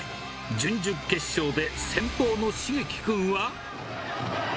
準々決勝で先鋒のしげき君は。